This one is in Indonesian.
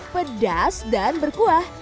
pedas dan berkuah